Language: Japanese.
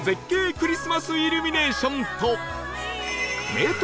クリスマスイルミネーションと名湯